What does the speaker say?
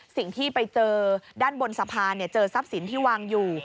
สิ่งที่ไปเจอด้านบนสะพานเจอทรัพย์สินที่วางอยู่